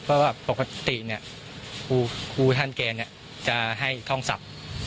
เพราะว่าปกติเนี่ยครูครูท่านแกเนี่ยจะให้ท่องสับ